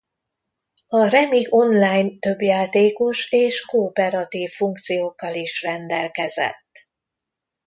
A remake online többjátékos és kooperatív funkciókkal is rendelkezett.